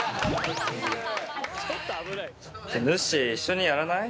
ぬっしー一緒にやらない？